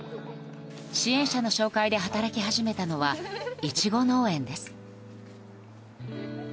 支援者の紹介で働き始めたのはイチゴ農園です。